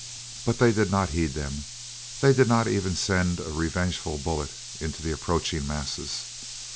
But they did not heed them. They did not even send a revengeful bullet into the approaching masses.